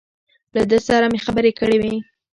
له ده سره مې خبرې کړې وې.